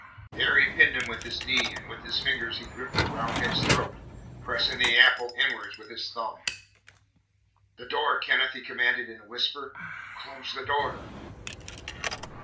There he pinned him with his knee, and with his fingers he gripped the Roundhead's throat, pressing the apple inwards with his thumb. "The door, Kenneth!" he commanded, in a whisper. "Close the door!"